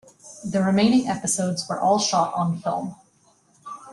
The remaining episodes were all shot on film.